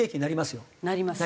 なりますよ。